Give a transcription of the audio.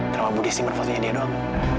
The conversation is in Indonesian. kenapa budi simpen fotonya dia doang